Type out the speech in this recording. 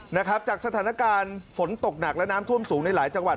นะครับจากสถานการณ์ฝนตกหนักและน้ำท่วมสูงในหลายจังหวัด